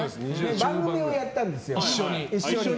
番組をやったんですよ、一緒に。